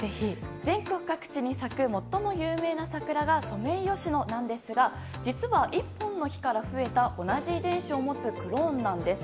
全国各地に咲く最も有名な桜がソメイヨシノなんですが実は１本の木から増えた同じ遺伝子を持つクローンなんです。